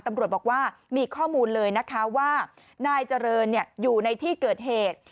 ตำรวจบอกว่ามีข้อมูลเลยนะคะว่านายเจริญอยู่ในที่เกิดเหตุ